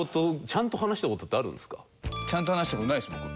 ちゃんと話した事ないです僕。